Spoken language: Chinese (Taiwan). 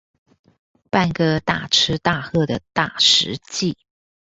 辦個大吃大喝的大食祭